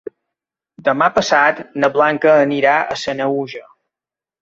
Demà passat na Blanca anirà a Sanaüja.